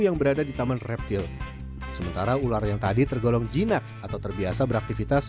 yang berada di taman reptil sementara ular yang tadi tergolong jinak atau terbiasa beraktivitas